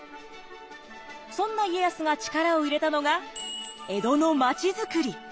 そんな家康が力を入れたのが江戸の町づくり！